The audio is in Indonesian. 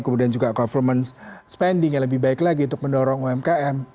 kemudian juga government spending yang lebih baik lagi untuk mendorong umkm